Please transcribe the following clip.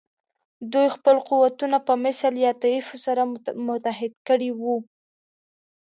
دوی خپل قوتونه په مثل یا طایفو سره متحد کړي وو.